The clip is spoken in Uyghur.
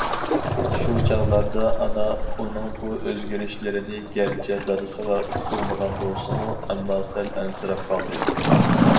شۇ چاغلاردا ئانا ئۇنىڭ بۇ ئۆزگىرىشلىرىنى گەرچە دادىسىغا ئۇقتۇرمىغان بولسىمۇ ئەمما سەل ئەنسىرەپ قالدى.